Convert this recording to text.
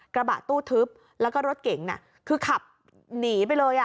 กระบะตู้ทึบแล้วก็รถเก๋งคือขับหนีไปเลย